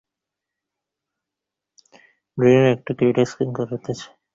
মিয়া হাসতে-হাসতে বললেন, এরা কি আপনাকে গোপনে বলে নি এ-বাড়িতে ভূত আছে?